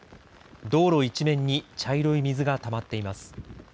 道路一面に茶色い水がたまっています。